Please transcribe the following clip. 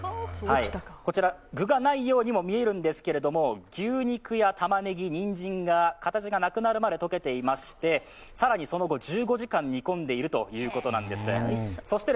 具がないようにも見えるんですけれども、牛肉やたまねぎ、にんじんが形がなくなるまで溶けていまして、更にその後１５時間煮込んでいるということなんです。